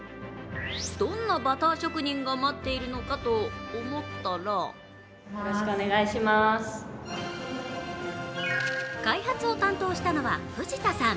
どんなバター職人が待っているのかと思ったら開発を担当したのは藤田さん。